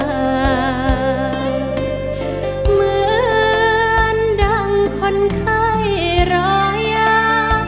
เหมือนดังคนไข้รอยา